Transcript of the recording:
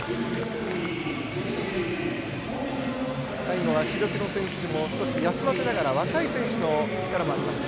最後は主力の選手も少し休ませながら若い選手の力もありました。